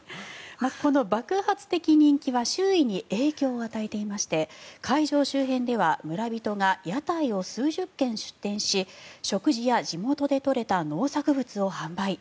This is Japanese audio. この爆発的人気は周囲に影響を与えていまして会場周辺では村人が屋台を数十軒出店し食事や地元で採れた農作物を販売。